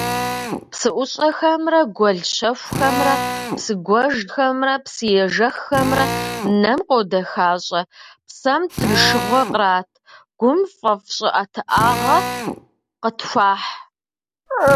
Псыӏущӏэхэмрэ гуэл щэхухэмрэ, псыгуэжхэмрэ псыежэххэмрэ нэм къодэхащӏэ, псэм тыншыгъуэ кърат, гум фӏэфӏ щӏыӏэтыӏагъэ къытхуахь.